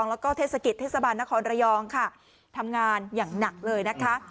แล้วก็เทศกิจเทศบาลนครระยองค่ะทำงานอย่างหนักเลยนะคะ